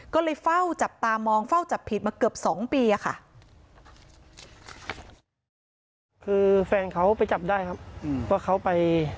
ก็เลยเฝ้าจับตามองเฝ้าจับผิดมาเกือบ๒ปีอะค่ะ